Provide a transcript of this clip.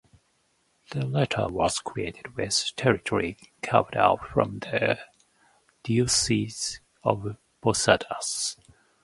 The latter was created with territory carved out from the Diocese of Posadas.